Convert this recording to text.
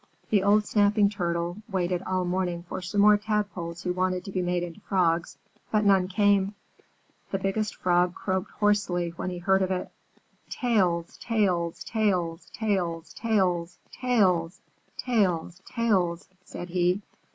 The old Snapping Turtle waited all morning for some more Tadpoles who wanted to be made into Frogs, but none came. The Biggest Frog croaked hoarsely when he heard of it. "Tails! Tails! Tails! Tails! Tails! Tails! Tails! Tails!" said he.